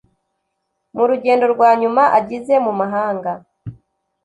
mu rugendo rwa nyuma agize mu mahanga